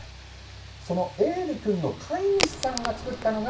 そのエール君の飼い主さんが作ったのが